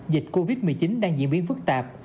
dịch covid một mươi chín đang diễn biến phức tạp